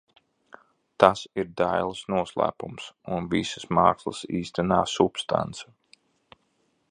Tas ir dailes noslēpums un visas mākslas īstenā substance.